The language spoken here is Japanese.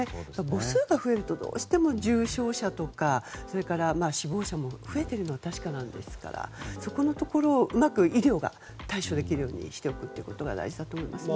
母数が増えるとどうしても重症者とか死亡者も増えているのは確かですからそこのところをうまく医療が対処できるようにしておくことが大事だと思います。